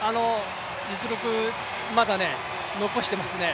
実力、まだ残していますね。